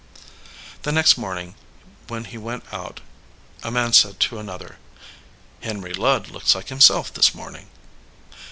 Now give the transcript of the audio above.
The next morning when he went out a man said to another, "Henry Ludd looks like himself this morning."